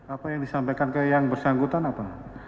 apa yang disampaikan ke yang bersangkutan apa